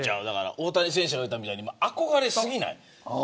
大谷選手が言ったみたいに憧れ過ぎない。